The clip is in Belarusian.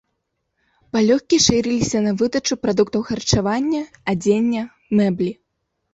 Палёгкі шырыліся на выдачу прадуктаў харчавання, адзення, мэблі.